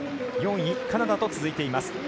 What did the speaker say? ４位、カナダと続いています。